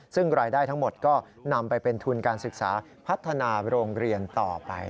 ซึ่งรายได้ทั้งหมดก็นำไปเป็นทุนการศึกษาพัฒนาโรงเรียนต่อไป